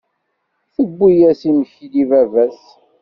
Tewwi-yas imekli i baba-s.